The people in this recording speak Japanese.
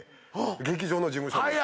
劇場の事務所に。